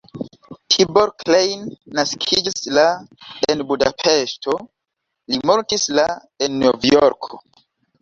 Tibor Klein naskiĝis la en Budapeŝto, li mortis la en Novjorko.